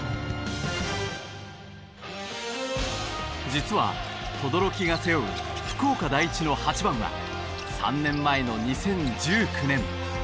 実は轟が背負う福岡第一の８番は３年前の２０１９年。